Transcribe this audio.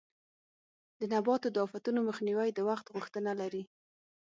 د نباتو د آفتونو مخنیوی د وخت غوښتنه لري.